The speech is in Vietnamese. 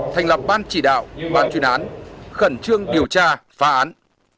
thành lập ban chỉ đạo ban chuyên án khẩn trương điều tra phá án